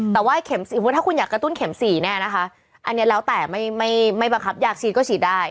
แต่ว่าเข็มสมมุติถ้าคุณอยากกระตุ้นเข็ม๔แน่นะคะอันนี้แล้วแต่ไม่บังคับอยากฉีดก็ฉีดได้